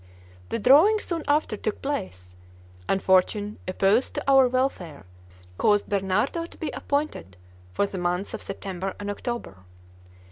The drawing soon after took place, and fortune, opposed to our welfare, caused Bernardo to be appointed for the months of September and October.